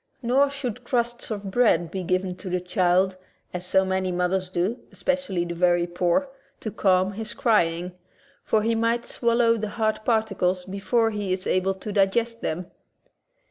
Nor should crusts of bread be given the child — as so many mothers do, especially the very poor — to calm his crying, for he ^ might swallow the hard particles before he is able to digest them.